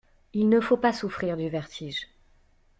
Il ne faut pas souffrir du vertige.